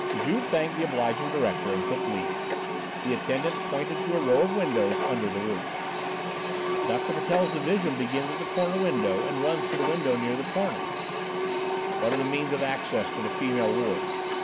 Juve thanked the obliging director and took leave. The attendant pointed to a row of windows under the roof. "Doctor Patel's division begins at the corner window and runs to the window near the cornice." "What are the means of access to the female ward?"